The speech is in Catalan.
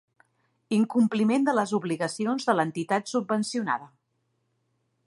Incompliment de les obligacions de l'entitat subvencionada.